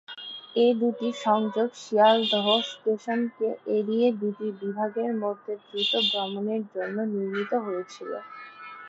এই দু'টি সংযোগ শিয়ালদহ স্টেশনকে এড়িয়ে দুটি বিভাগের মধ্যে দ্রুত ভ্রমণের জন্য নির্মিত হয়েছিল।